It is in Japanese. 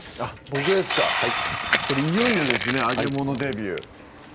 僕ですかこれいよいよですね揚げ物デビュー